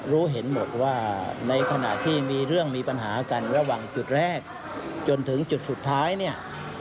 รู้เห็นหมดว่าในขณะที่มีเรื่องมีปัญหากันระหว่างจุดแรกจนถึงจุดสุดท้ายเนี่ย